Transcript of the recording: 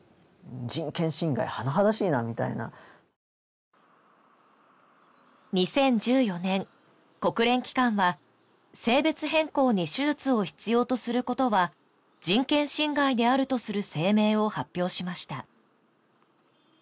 「人権侵害甚だしいな」みたいな２０１４年国連機関は性別変更に手術を必要とすることは人権侵害であるとする声明を発表しました